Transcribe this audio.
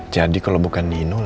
jadi kalo bukan nino